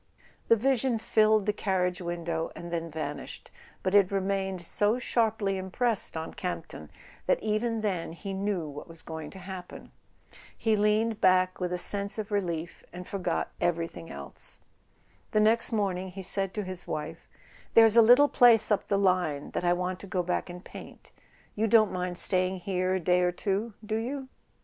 The vision filled the carriage window and then van¬ ished; but it remained so sharply impressed on Camp ton that even then he knew what was going to happen. He leaned back with a sense of relief, and forgot every¬ thing else. The next morning he said to his wife: "There's a little place up the line that I want to go back and paint. You don't mind staying here a day or two, do you